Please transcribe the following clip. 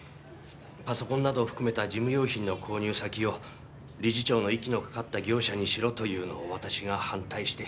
パソコンなどを含めた事務用品の購入先を理事長の息のかかった業者にしろというのを私が反対して。